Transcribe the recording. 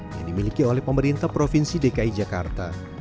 yang dimiliki oleh pemerintah provinsi dki jakarta